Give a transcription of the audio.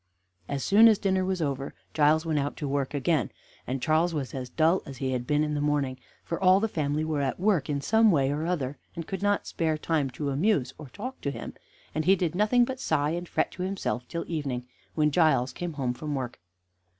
As soon as dinner was over, Giles went out to work again, and Charles was as dull as he had been in the morning, for all the family were at work in some way or other, and could not spare time to amuse or talk to him, and he did nothing but sigh and fret to himself till evening, when Giles came home from work.